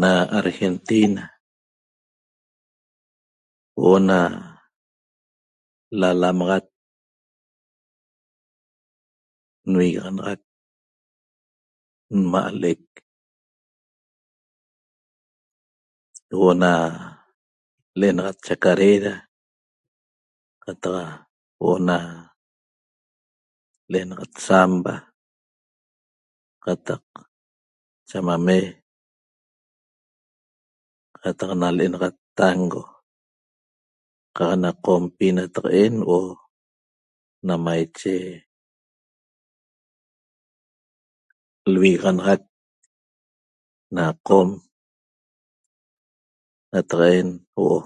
Na Argentina huo'o na lalamaxat nvigaxanaxac nma' l'ec huo'o na l'enaxat chacarera qataq huo'o na l'enaxat zamba qataq chamamé qataq na l'enaxat tango qaq na Qompi nataq'en huo'o na maiche l'vigaxanaxac na Qom nataq'en huo'o